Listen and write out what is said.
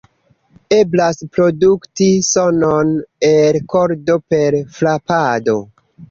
Eblas produkti sonon el kordo per frapado.